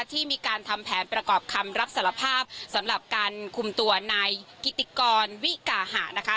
ที่มีการทำแผนประกอบคำรับสารภาพสำหรับการคุมตัวนายกิติกรวิกาหะนะคะ